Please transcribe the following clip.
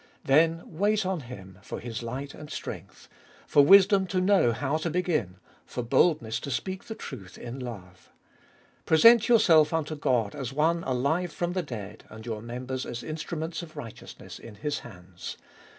Then wait on Him for His light and strength— for wisdom to know how to begin, for boldness to speak the truth in love. Present yourself unto God as one alive from the dead, and your members as Instruments of righteousness in His hands.